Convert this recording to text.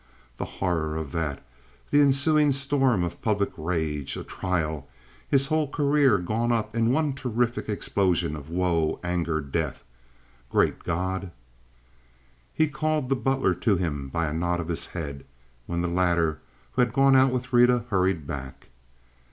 The horror of that! The ensuing storm of public rage! A trial! His whole career gone up in one terrific explosion of woe, anger, death! Great God! He called the butler to him by a nod of his head, when the latter, who had gone out with Rita, hurried back.